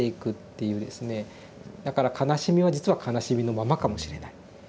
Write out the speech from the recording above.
だから悲しみは実は悲しみのままかもしれない。